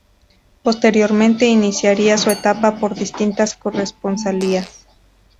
Posteriormente, iniciaría su etapa por distintas corresponsalías.